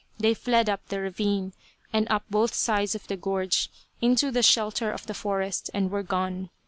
They fled up the ravine, and up both sides of the gorge, into the shelter of the forest, and were gone.